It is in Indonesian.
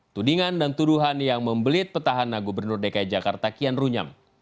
tudingan dan tuduhan yang membelit petahana gubernur dki jakarta kian runyam